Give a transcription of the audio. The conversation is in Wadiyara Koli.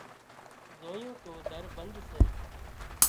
زويون تو در بند سي